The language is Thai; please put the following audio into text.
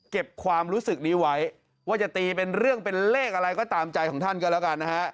ความรู้สึกนี้ไว้ว่าจะตีเป็นเรื่องเป็นเลขอะไรก็ตามใจของท่านก็แล้วกันนะฮะ